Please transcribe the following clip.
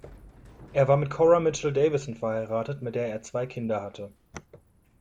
Er war mit Cora Mitchell Davison verheiratet, mit der er zwei Kinder hatte.